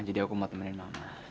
jadi aku mau temenin mama